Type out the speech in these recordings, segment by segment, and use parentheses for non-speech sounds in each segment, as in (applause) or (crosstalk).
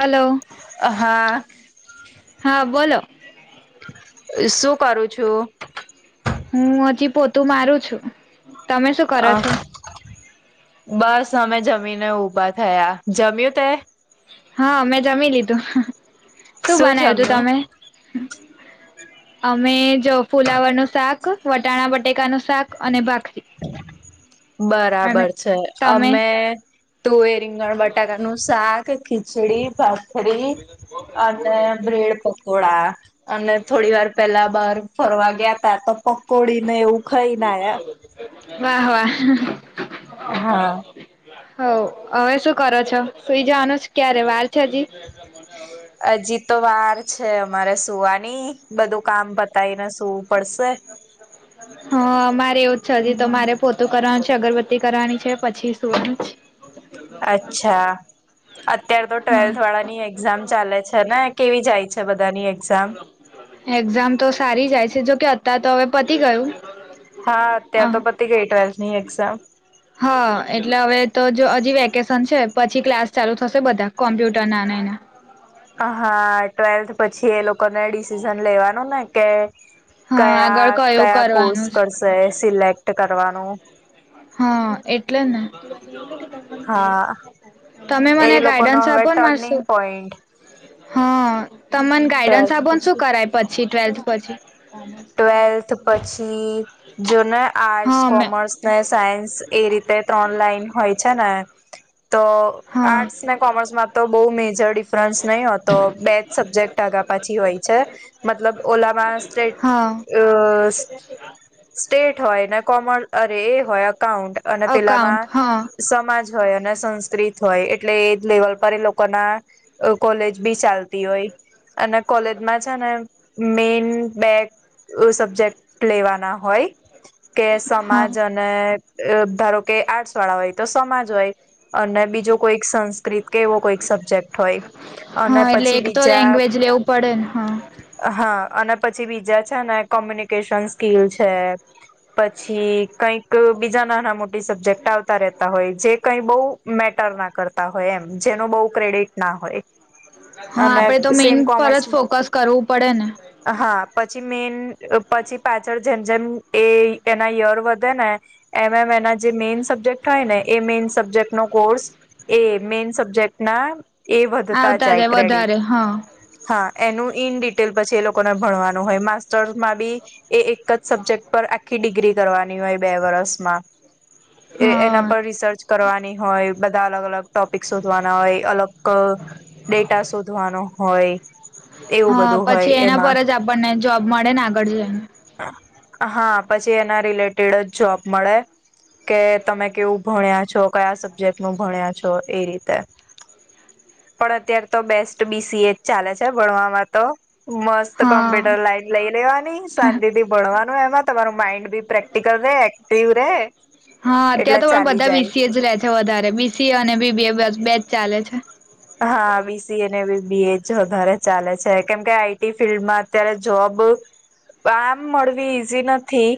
Hello, હા હા બોલો. શું કરું છું? હું હજી પોતું મારું છું. તમે શું કરો આ છો બસ અમે જમ જમીને ઉભા થયા. જમ્યું તે? હા, મેં જમી લીધું. શું બનાવ્યું તું તમે? અમે જો ફુલાવર નું શાક, વટાણા બટેકાનું સ અને બરાબર છે. તમે અમે તુવેર રીંગણ બટાકા નું શાક ખીચડી ભાત. રી અને બ્રેડ પકોડા અને થોડી વાર પેલા બાર ફરવા ગયા તા તો પકોડી ને એવું ખા (inaudible) વાહ વાહ! હા. હ હવે શું કરો છો સુઈ જવાનું ક્યારે વાર છે હજી? હજી તો વાર છે અમારે શું આ નઈ બધું કામ પતાય ને શું. હા મારે એવું જ છે તો મારે પોતું કરવાનું છે. અગરબત્તી કરવાની છે પછી સોની અચ્છા અત્યારે તો ટ્વેલ્થ હ વાળાની એક્ઝામ ચાલે છે ને કેવી જાય છે બધાની એક્ઝામ. એક્ઝામ તો સારી જાય છે જોકે તાર તો હવે પતી ગયું. હા અત્યાર તો પતિ ગઈ ટેસ્ટ ની એક્ઝામ હા એટલે હવે તો જો હજી વેકેશન છે પછી ક્લાસ ચાલુ થશે બધા કોમ્પ્યુટર નાના એના. હ હા ટ્વેલ્થ પછી એ લોકો કોને ડીસીઝન લેવાનુ ને. કે હા કયા આગળ કયું કયા કોર્સ કરવાનું છે કરશે સિલેક્ટ કરવાનું હા એટલે ને. હા તમે એ મને લોકોનો ગાઈડન્સ હવે આપો ને મારે ટર્નિંગ શું પોઈન્ટ તમને ગાઈડન્સ ટ્વેલ્થ આપોને શું કરાય પછી ટ્વેલ્થ પછી. ટવેલ્થ પછી જો ને આર્ટસ હા મે કોમર્સ ને સાયન્સ એ રીતે ત્રન લાઈન હોય છે ને. હા. તો હા આર્ટસ ને કોમર્સમાં તો બહુ મેજર ડિફરન્સ નહીં હોતો બે જ સબ્જેક્ટ આગા પાછી હોય છે મતલબ ઓલામાં હા સ્ટેટ અ સ્ટેટ હોય ને કોમ અરે એ હોય. કાઉન્ટ અને અકાઉન્ટ પેલામાં હા સમાજ હોય અને સંસ્કૃત હોય એટલે એ લેવલ પર એ લોકો ના કોલેજ બી ચાલતી હોય અને કોલેજમાં છે ને મેન બેક સબ્જેક્ટ લેવાના હોય. કે હા સમાજ અને અ ધારો કે આર્ટસ વાળા હોય તો સમાજ હોય અને બીજો કોઈક સં સંસ્કૃત કે એવો કોઈક સબ્જેક્ટ હોય અને હા એટલે પછી એક તો બીજા લેંગ્વેજ લેવું પડે ને હા. અને પછી બીજા જ છે ને કોમ્યુનિકેશન સ્કીિલ છે. પછી કઈક બીજા નાના મોટી સબ્જેક્ટ આવતા રહેતા હોય જે કઈ બઉ મેટર ના કરતા હોય એમ જેનો બઉ ક્રેડિટ ના હોય હા અને આપડે તો મેન સેમ પર કોમર્સ જ ફોકસ કરવું પડે ને. હા પછી મેન પછી પાછળ જેમ જેમ એ એના યર વધે ને એમ એમ એના જે મેઈન સબ્જેક્ટ હોય ને એ મેઈન સબ્જેક્ટ નો કોર્સ એ મેઈન સબ્જેક્ટના એ વધતા આવતા જાય ક્રેડિટ વધારે હા હા. એનું ઇન ડિટેલ પછી એ લોકોને ભણવાનું નો હોય માસ્ટર્સમાં બી એ એક જ સબ્જેક્ટ પર આખી ડિગ્રી કરવાની હોય બે વર્ષમાં એ એના હા પર રિસર્ચ કરવાની હોય. બધા અલગ-અલગ ટોપિક શોધવાના હોય અલગ ડેટા શોધવાનો હોય એવું હા બધું હોય પછી એના પર એમાં. જ આપણને જોબ મળે ને આગળ જઈને. હા પછી એના રિલેટેડ જ જોબ મળે કે તમે કેવું ભણ્યા છો કયા સબ્જેક્ટ ન ભણ્યા છો એ રીતે પણ અત્યારે તો બેસ્ટ બીસીએ જ ચાલે છે ભણવામાં તો હા કોમ્પ્યુટર લાઈટ લઈ લેવાની શાંતિ થી ભણવાનું એમાં. તમારું માઇન્ડ હા એટલે અત્યાં તો પણ ચાલી બધા જાય બીસીએ જ રે છે વધારે બીસીએ અને બીબીએ બેચ ચાલે છે. હા બીસીએ અને બીબીએ જ વધારે ચાલે છે કેમકે આઈટી ફિલ્ડમાં અત્યારે જોબ આમ મળવી ઈઝી નથી.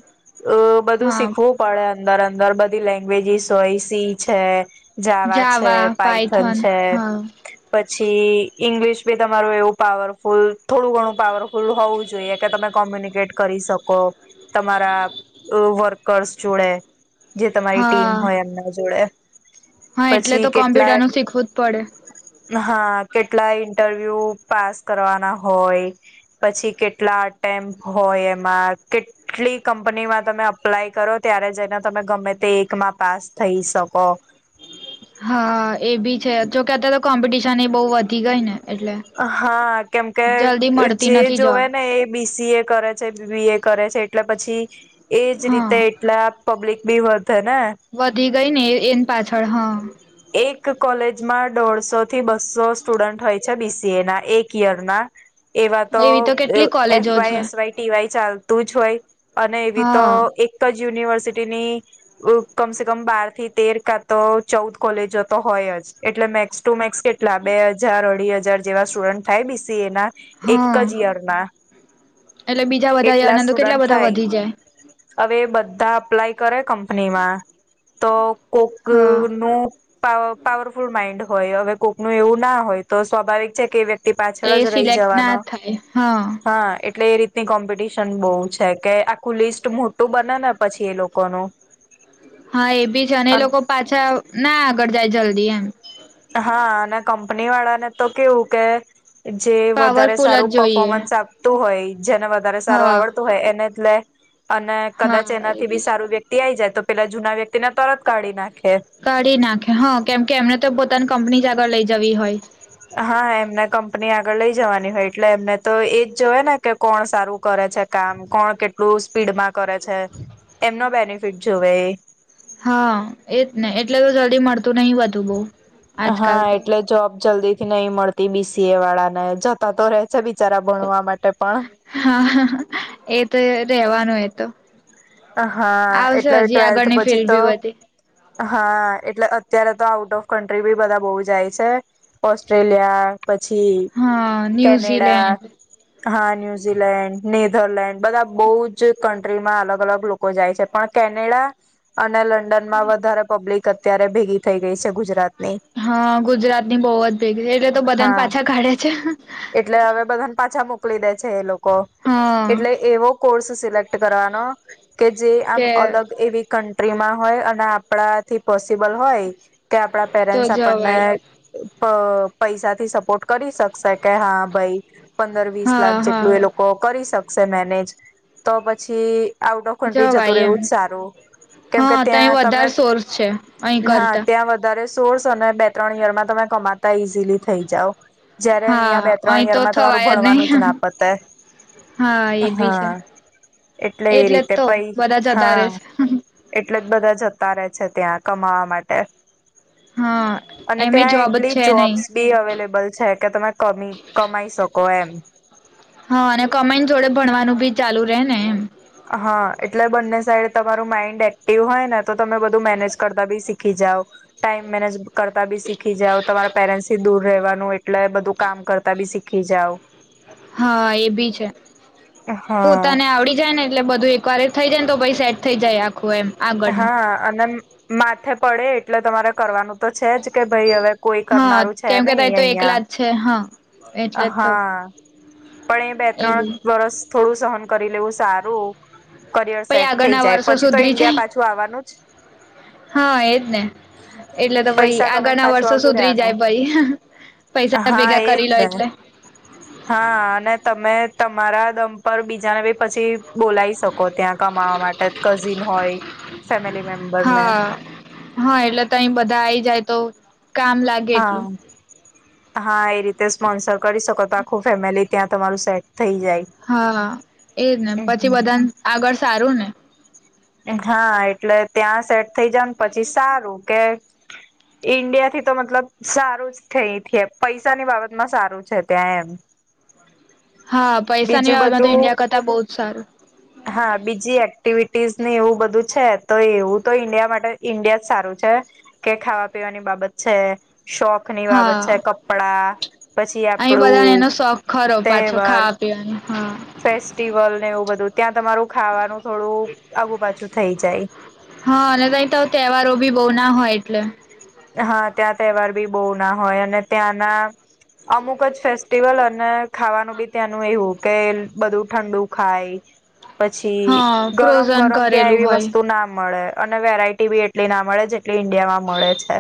અ બધું હા શીખવું પડે. અંદર-અંદર બધી લેંગ્વેજીસ હોય સી છે, જાવા છે પાઇથન પાયથન છે. હા પછી ઈંગ્લિશ બી તમારું એવું પાવરફુલ થોડું ઘણું પાવરફુલ હોવું જોઈએ કે તમે કોમ્યુનિકેટ કરી શકો તમારા વર્કર્સ જોડે જે તમારી ટીમ હા હોય એમના જોડે. હા એટલે પછી તો કેટલા કોમ્પ્યુટર નુ શીખવું જ પડે. હા કેટલા ઈન્ટરવ્યુ પાસ કરવાના હોય પછી કેટલા અટેમ્પ હોય એમાં કેટલી કંપનીમાં તમે અપ્લાય કરો ત્યારે જઈને તમે ગમે તે એકમાં પાસ થઈ શકો. હા એ બી છે જોકે અત્યારે કોમ્પિટિશન એ બઉ વધી ગઈ ને એટલે હા કેમકે જલ્દી મળતી જે નથી જોવે જોબ ને એ બી સી એ કરે છે બી બી એ કરે છે એટલે પછી એ જ રીતે હા એટલા પબ્લિક બેવદ વધી ગઈ ને એ એન પાછળ હા. એક કોલેજમાં દોઢસો થી બસ્સો સ્ટુડન્ટ હોય છે બી સી એ ના એક યર ના એવા તો એવી કેટલી એફ કોલેજો વાય છે એસ વાય ટી વાય ચાલતું જ હોય અને એવી તો હા એક જ યુનિવર્સિટી ની કમસે કમ બાર થી તેર કા તો ચૌદ કોલેજ જતો હોય જ એટલે મેક્સ ટુ મેક્સ કેટલા બે હજાર, અઢી જર જેવા સ્ટુડન્ટ થાય બી સી એ ના એક હા જ યર ના. એટલે બીજા બધા એટલા આનંદો કેટલા સ્ટુડન્ટ બધા વધી જાય થાય હવે બધા અપ્લાય કરે કંપનીમાં તો. કોક હા નું પાવર પાવરફુલ માઇન્ડ હોય હવે કોકનું એવું ના હોય તો સ્વાભાવિક છે કે વ્યક્ એ સિલેક્ટ ના થાય હા એટલે એ રીતની કોમ્પિટિશન બહુ છે કે આખું લિસ્ટ મોટું બને ને પછી એ લોકોનું હા એ બી છે અને લોકો પાછા ના કર જાય જલ્દી એમ હા અને કંપની વાળા ને તો કેવું કે જે વધારે પાવરફુલ જ સારું જોઈએ પફોમન્સ આપતું હોય જેને વધારે સારું હા આવડતું હોય એને લે અને કદાચ હા એના એ થી બી છે સારું વ્યક્તિ આ આવી જાય તો પેલા જૂના વ્યક્તિના કાઢી નાખે હા કેમ કે એમને તો પોતાનું કંપની જ આગળ લઈ જવી હોય. હા એમને કંપની આગળ લઈ જવાની હોય એટલે એમને તો એજ જોવે ને કે કોણ સારું કરે છે કામ કોણ કેટલું સ્પીડમાં કરે છે એમનો બેનિફિટ જુવે એ હા એજ ને એટલે તો જલ્દી મળતું નહી બધું બઉ હા એટલે જોબ જલ્દી નહી મળતી બીસીએ વાળાને જતા તો રહે છે બિચારા ભણવા માટે પણ હા હા એ રેવાનું એ તો હા આવશે એટલે હજી ટ્વેલ્થ આગળની પછી ફિલ્ડ તો બી બધી હા એટલે અત્યારે તો આઉટ ઓફ કન્ટ્રી બી બધા બહુ જાય છે, ઓસ્ટ્રેલિયા પછી હા કેનેડા ન્યુઝીલેન્ડ હા ન્યુઝીલેન્ડ, નેધરલેન્ડ બધા બહુ જ કન્ટ્રી માં અલગ અલગ લોકો જાય છે પણ કેનેડા અને લંડનમાં વધારે પબ્લિક અત્યારે ભેગી થઈ ગઈ છે ગુજરાત હા ગુજરાતની બહુ જ ભેગી છે એટલે તો બધાને હા પાછા કાઢે છે એટલે હવે બધાને પાછા મોકલી દે છે એ લોકો હા એટલે એવો કોર્સ સિલેક્ટ કરવાનો કે જે આમ કે અલગ એવી ક ટ્રી માં હોય અને આપણાથી પોસિબલ હોય. કે આપડા તો પેરેન્ટ્સ આપણને જવાય અ પૈસાથી સપોર્ટ કરી શકશે કે હા ભાઈ પંદર વીસ લાખ હા જેટલું એ હા લોકો કરી શકે મેનેજ તો પછી આઉટ ઓફ કન્ટ્રી જતું જવાય એમ રહેવું જ સારું કેમકે હા તો અહી ત્યાં તમે વધારે સોર્સ છે અહીં હા કરતા ત્યાં વધારે સોર્સ અને બે ત્રણ યરમાં તમે કમાતા ઈઝીલી થઈ જાાવ જયારે અહિયાં હા બે અહી ત્રણ યર તો માં તમારું થવાય નહી ભણવાનું જ ના પતે હા એ બી છે હા એટલે એ જ રીતે તો બધા જતા હા રહે છે એટલે બધા જતા રહે છે ત્યાં કમાવા માટે હા અને એમે ત્યાં જોબ જ એટલી છે નહી જોબ્સ બી અવેલેબલ છે કે તમે કમી કમાઈ શકો એમ હા અને કમેન્ટ જોડે ભણવાનું બી ચાલુ રહે ને એમ હા એટલે બંને સાઈડ તમારું માઈન્ડ એક્ટિવ હોય ને તો તમે બધું મેનેજ કરતા બી શીખી જાવ ટાઈમ મેનેજ કરતા બી શીખી જઓ તમારા પેરેન્ટ્સ દૂર રહેવા એટલે બધું કામ કરતા બી શીખી જાવ હા એ ભી છે પોતાને હા આવડી જાય ને એટલે બધું કરેક થઈ જાયને તો પછ સેટ થઈ જાય આખું એમ આગળનું હામ માથે પડે એટલે તમારે કરવાનું તો છે જ કે ભાઈ હવે કોઈ હા કરનારું છે કેમ નહી કેતાય તો એકલા અહિયાં જ છે હા એટલે જ તો હા પણ એ બે ત્રણ એવું વરસ થોડું સહન કરી લેવું સારું કરિયર પછ સેટ થઈ આગળના જાય વર્ષો પછી તો સુધરી ઈન્ડિયા જાય પાછું આવવાનું જ હા એજ ને એટલે તો પાઈ પૈસા આગળ કમાઈને ના પાછું વર્ષો આવતું સુધરી રેવાનું જાય પ પૈસા ના હા ભેગા એજ કરી ને લ હા અને તમે તમારા દમ પર બીજાનેી પછી બોલાવી શકો ત્યાં કમાવા માટે કઝિન હોય ફેમિલી મેમ્બરને હા હા એટલે તઈ બધા આઈ જાય તો કામ લાગે હા એટલું હા એ રીતે સ્પોન્સર કરી શકો તો આખું ફેમિલી ત્યાં તમારું સેટ થઈ જાય હા એજ ને પછી હમ બધાને આગળ સારું ને. હા એટલે ત્યાં સેટ થઇ જાઓને પછી સારું કે ઈન્ડિયાથી તો મતલબ સારું જ થઈ થઈ પૈસાની બાબતમાં સારું છે ત્યાં એમ હા પૈસાની બીજું બાબતમાં તો બધું ઈન્ડિયા કરતા બહુ જ સારું. હા બીજી એક્ટિવિટ ટીઝ ને એવું બધું છે. તો એવું તો ઈન્ડિયા માટે ઇન્ડિયા જ સારું છે, કે ખાવા પીવાની બાબત છે. શોખ ની બાબત છે. હા કપડાં પછી અહીં બધાને આપડું એનો શોખ ખરો પાછો તહેવાર ખાવા પીવાનો હા ફેસ્ટિવલ ને એવું બધું ત્યાં તમારું ખાવાનું થોડું આગું પાછું થઈ જાય. હા અને તહીં તો તહેવારો બી બહુ ના હોય એટલે. હા ત્યાં તહેવાર બી બહુ ના હોય અને ત્યાંના અમુક જ ફેસ્ટિવલ અને ખાવાનું બી ત્યાંનું એવું કે બધું ઠંડુ ખાય. પછી હા ગરમ ફ્રોઝન ગરમ ત્યાં કરેલું એવી હોય વસ્તુ ના મળે. અને વેરાયટી બી એટલી ના મળે જેટલી ઈન્ડિયા માં મળે છે.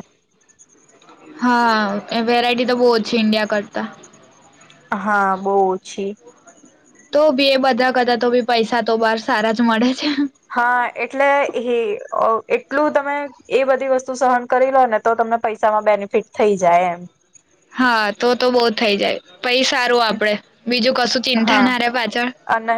હા વેરાયટી તો બહુ ઓછી ઇન્ડિયા કરતા. હા બહુ ઓછી. તો બી એ બધા કરતાં તો બી પૈસા તો બહાર સારા જ મળે છે હા એટલે એ અ એટલું તમે એ બધી વસ્તુ સહન કરી લો ને તો તમને પૈસામાં બેનિફિટ થઈ જાય એમ. હા તો તો બહુ થઈ જાય. પહી સારું આપણે બીજું કશું ચિંતા હા ના રે પાછળ. અને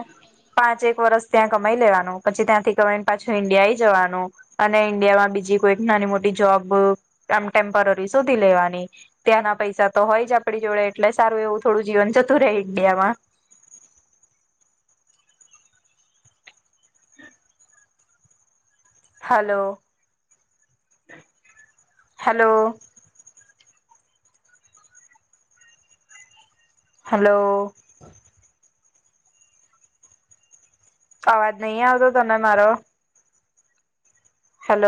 પાંચ એક વર્ષ ત્યાં કમાઈ લેવાનું, પછી ત્યાંથી કમાઈ ને પાછું ઈન્ડિયા આઈ જવાનું અને ઈન્ડિયામાં બીજી કોઈક નાની મોટી જોબ આમ ટેમ્પરરી શોધી લેવાની. ત્યાંના પૈસા તો હોય જ આપણી જોડે એટલે સારું એવું થોડું જીવન જતું રે ઇન્ડિયામાં. હાલો, હાલો. હાલો. અવાજ નહીં આવતો તને મારો? હલો